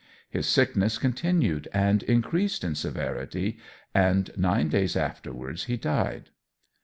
His sickness continued and increased in severity, and nine days afterwards he died.